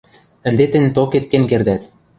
Ӹнде тӹнь токет кен кердӓт.